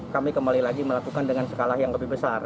kami kembali lagi melakukan dengan skala yang lebih besar